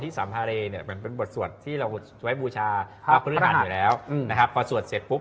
เล็กเล็กเล็กเล็กเล็กเล็กเล็กเล็กเล็กเล็กเล็กเล็กเล็กเล็ก